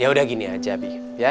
yaudah gini aja abie